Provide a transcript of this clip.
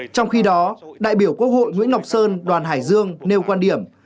trong khi đó đại biểu quốc hội nguyễn ngọc sơn đoàn hải dương nêu quan điểm